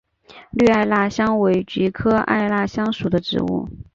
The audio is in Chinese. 绿艾纳香为菊科艾纳香属的植物。